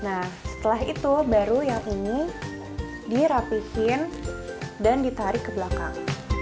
nah setelah itu baru yang ini dirapihin dan ditarik ke belakang